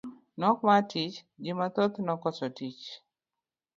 Nok mar tich, ji mathoth nokoso tich.